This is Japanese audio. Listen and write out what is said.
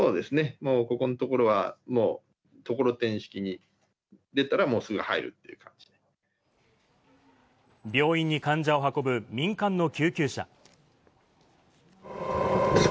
もうここのところはもう、ところてん式に、病院に患者を運ぶ民間の救急車。